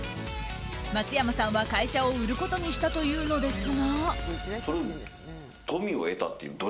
松山さんは会社を売ることにしたというのですが。